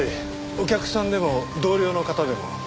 お客さんでも同僚の方でも。